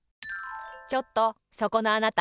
ちょっとそこのあなた。